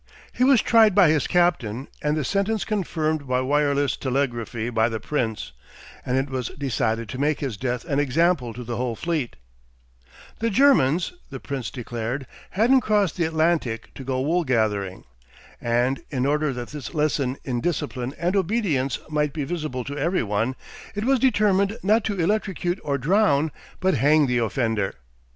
He was tried by his captain, and the sentence confirmed by wireless telegraphy by the Prince, and it was decided to make his death an example to the whole fleet. "The Germans," the Prince declared, "hadn't crossed the Atlantic to go wool gathering." And in order that this lesson in discipline and obedience might be visible to every one, it was determined not to electrocute or drown but hang the offender.